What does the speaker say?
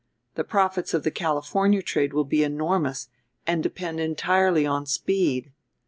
The profits of the California trade will be enormous and depend entirely on speed.